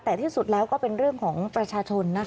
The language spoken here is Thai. แต่ที่สุดแล้วก็เป็นเรื่องของประชาชนนะคะ